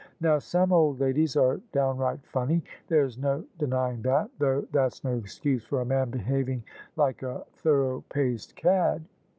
Now some old ladies are downright funny; there's no denying that; though that's no excuse for a man behaving like a thorough paced cad."